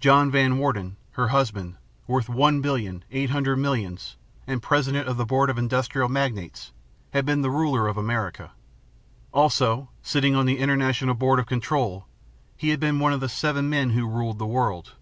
John Van Warden, her husband, worth one billion, eight hundred millions and President of the Board of Industrial Magnates, had been the ruler of America. Also, sitting on the International Board of Control, he had been one of the seven men who ruled the world.